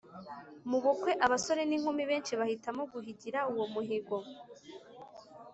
mu bukwe Abasore n inkumi benshi bahitamo guhigira uwo muhigo